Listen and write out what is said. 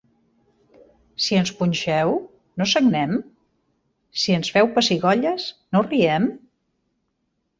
Si ens punxeu, no sagnem? Si ens feu pessigolles, no riem?